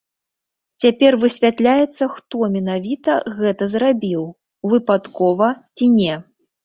Цяпер высвятляецца, хто менавіта гэта зрабіў, выпадкова ці не.